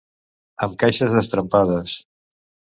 Amb caixes destrempades.